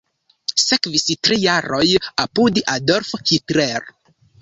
Sekvis tri jaroj apud Adolf Hitler.